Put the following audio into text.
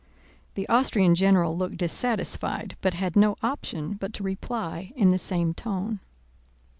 The Austrian general looked dissatisfied, but had no option but to reply in the same tone.